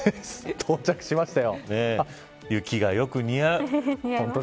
到着しましたよ。